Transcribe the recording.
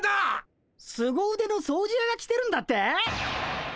すご腕の掃除やが来てるんだって？